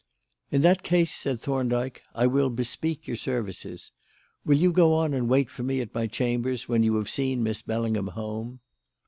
"In that case," said Thorndyke, "I will bespeak your services. Will you go on and wait for me at my chambers, when you have seen Miss Bellingham home?"